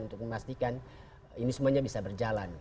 untuk memastikan ini semuanya bisa berjalan